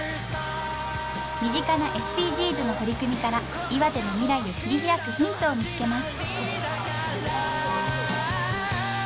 身近なＳＤＧｓの取り組みから岩手の未来を切りひらくヒントを見つけます。